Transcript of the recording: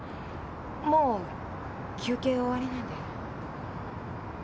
もう休憩終わりなんで。